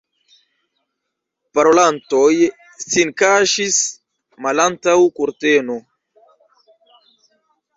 Parolantoj sin kaŝis malantaŭ kurteno.